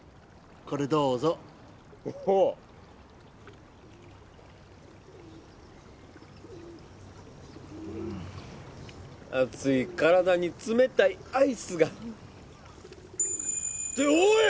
これどうぞおう熱い体に冷たいアイスがっておい！